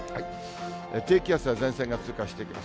低気圧や前線が通過していきます。